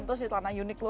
terus di tanah unik lo